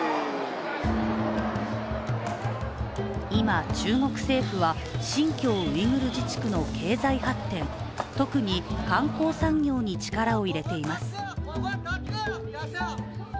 今、中国政府は新疆ウイグル自治区の経済発展、特に観光産業に力を入れています。